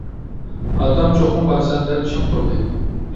ئاتام چوقۇم بارىسەن دەپ چىڭ تۇردى.